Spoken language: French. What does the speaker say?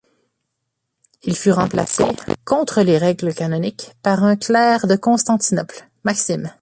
Il fut remplacé, contre les règles canoniques, par un clerc de Constantinople, Maxime.